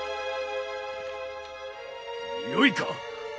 よいか。